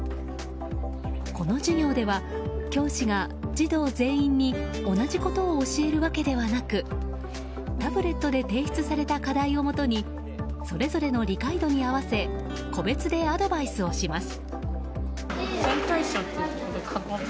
この授業では、教師が児童全員に同じことを教えるわけではなくタブレットで提出された課題をもとにそれぞれの理解度に合わせ個別でアドバイスをします。